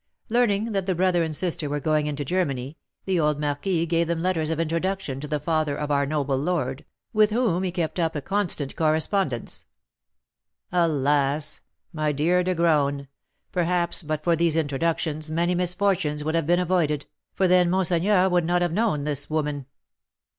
Learning that the brother and sister were going into Germany, the old marquis gave them letters of introduction to the father of our noble lord, with whom he kept up a constant correspondence. Alas! my dear De Graün, perhaps but for these introductions many misfortunes would have been avoided, for then monseigneur would not have known this woman.